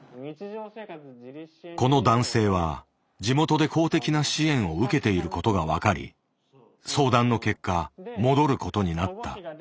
この男性は地元で公的な支援を受けていることが分かり相談の結果戻ることになった。